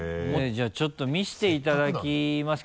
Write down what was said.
じゃあちょっと見せていただきますけど。